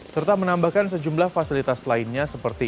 serta menambahkan sejumlah fasilitas lainnya seperti